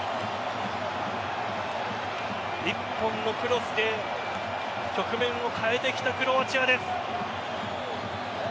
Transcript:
１本のクロスで局面を変えてきたクロアチアです。